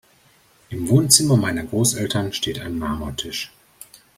Im Wohnzimmer meiner Großeltern steht ein Marmortisch.